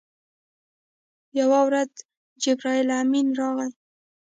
یوه ورځ جبرائیل امین راغی.